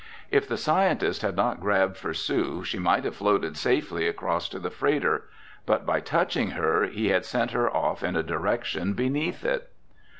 If the scientist had not grabbed for Sue she might have floated safely across to the freighter. But by touching her he had sent her off in a direction beneath it.